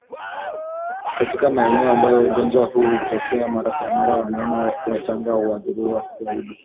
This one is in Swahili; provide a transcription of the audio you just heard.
katika maeneo ambayo ugonjwa huu hutokea mara kwa mara Wanyama wachanga huathiriwa zaidi